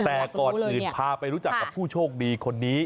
แต่ก่อนอื่นพาไปรู้จักกับผู้โชคดีคนนี้